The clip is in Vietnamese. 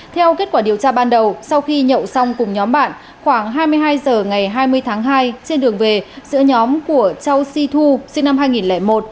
theo kết quả điều tra ban đầu sau khi nhậu xong cùng nhóm bạn khoảng hai mươi hai h ngày hai mươi tháng hai trên đường về giữa nhóm của châu si thu sinh năm hai nghìn một